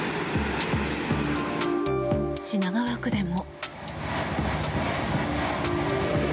品川区でも。